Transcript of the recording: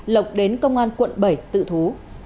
lộc đến công an quận bảy tự thú